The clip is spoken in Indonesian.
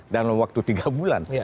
dalam waktu tiga bulan